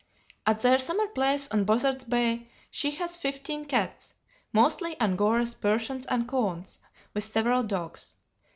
At their summer place on Buzzard's Bay she has fifteen cats, mostly Angoras, Persians, and coons, with several dogs.